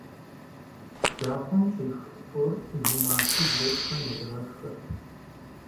Бжьахъуэм щӀиху фор жумарту блэкӀхэм яригъэшхырт.